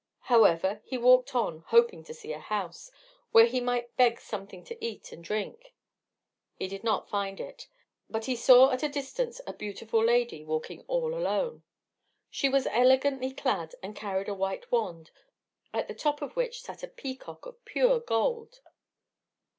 However, he walked on, hoping to see a house, where he might beg something to eat and drink. He did not find it; but he saw at a distance a beautiful lady, walking all alone. She was elegantly clad, and carried a white wand, at the top of which sat a peacock of pure gold.